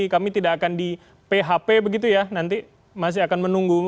kami tidak akan di php begitu ya nanti masih akan menunggu